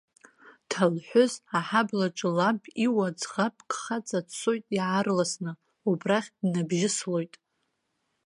Ҭалҳәыз аҳаблаҿы лаб иуа ӡӷабк хаҵа дцоит иаарласны, убрахь днабжьыслоит.